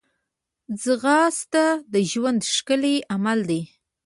ځغاسته د ژوند ښکلی عمل دی